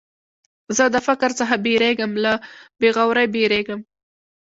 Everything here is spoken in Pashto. زه د فقر څخه بېرېږم، له بېغورۍ بېرېږم.